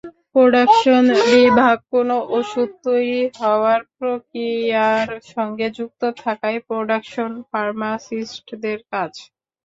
Production বিভাগকোনো ওষুধ তৈরি হওয়ার প্রক্রিয়ার সঙ্গে যুক্ত থাকাই প্রোডাকশন ফার্মাসিস্টদের কাজ।